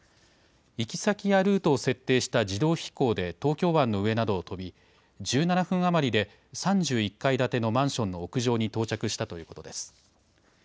行き先やルートを設定した自動飛行で東京湾の上などを飛び、１７分余りで、３１階建てのマンションの屋上に到着したということです。